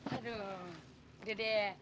aduh udah deh